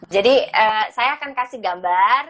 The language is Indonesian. jadi saya akan kasih gambar